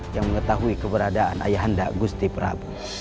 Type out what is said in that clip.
yang mengetahui keberadaan ayah anda gusti prabu